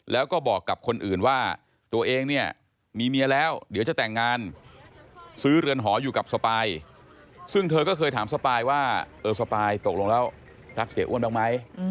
แล้วก็บอกกับคนอื่นว่าตัวเองเนี่ยมีเมียแล้วเดี๋ยวจะแต่งงานซื้อเรือนหออยู่กับสปายซึ่งเธอก็เคยถามสปายว่าเออสปายตกลงแล้วรักเสียอ้วนบ้างไหม